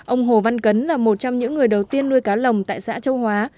ông hồ văn cấn là một trong những người đầu tiên nuôi cá lồng tại xã châu hóa